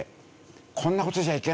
こんな事じゃいけない！